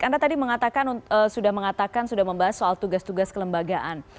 anda tadi mengatakan sudah mengatakan sudah membahas soal tugas tugas kelembagaan